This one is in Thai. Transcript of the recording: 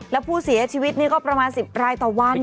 และผู้เสียชีวิตนี่ก็ประมาณ๑๐รายต่อวัน